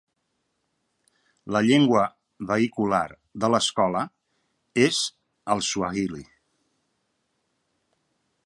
La llengua vehicular de l'escola és el suahili.